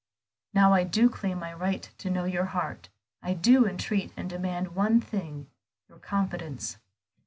"Now I do claim my right to know your heart; I do entreat and demand one thing, your confidence."